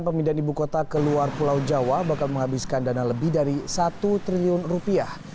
pemindahan ibu kota ke luar pulau jawa bakal menghabiskan dana lebih dari satu triliun rupiah